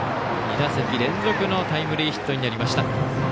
２打席連続のタイムリーヒットになりました。